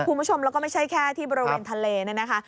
คุณผู้ชมแล้วก็ไม่ใช่แค่ที่บริเวณทะเลเนี่ยนะคะ